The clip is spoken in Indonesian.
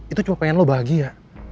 itu cuma pengen lo bahagia